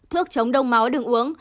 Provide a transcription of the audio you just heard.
thuốc chống đông máu đứng uống